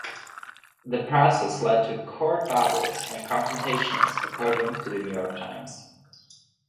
The process led to "court battles and confrontations" according to the "New York Times".